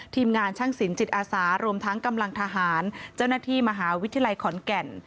ทีมงานช่างสินจิตอาสารวมทั้งกำลังทหารเจ้าหน้าที่มหาวิทยาลัยขอนแก่น